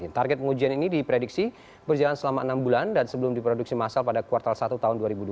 target pengujian ini diprediksi berjalan selama enam bulan dan sebelum diproduksi masal pada kuartal satu tahun dua ribu dua puluh